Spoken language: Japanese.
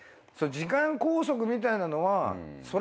時間拘束みたいなのはそら